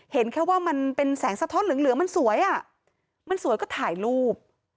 เห็นแค่ว่ามันเป็นแสงสะท้อนเหลืองมันสวยอ่ะมันสวยก็ถ่ายรูป